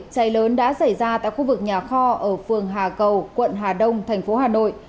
cháy lớn đã xảy ra tại khu vực nhà kho ở phường hà cầu quận hà đông thành phố hà nội